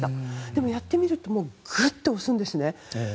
でもやってみるとぐっと押すんですね。